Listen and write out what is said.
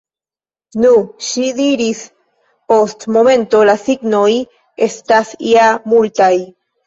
Nu, ŝi diris post momento, la signoj estas ja multaj.